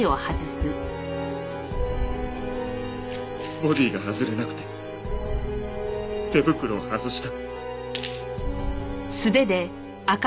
ボディーが外れなくて手袋を外した。